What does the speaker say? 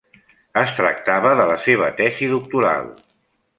Es tractava de la seva tesi doctoral.